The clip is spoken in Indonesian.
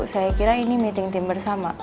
saya kira ini meeting team bersama